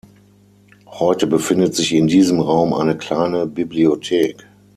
Heute befindet sich in diesem Raum eine kleine Bibliothek.